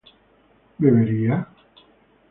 ¿bebería?